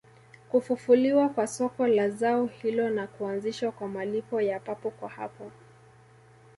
Kufufuliwa kwa soko la zao hilo na kuanzishwa kwa malipo ya papo kwa hapo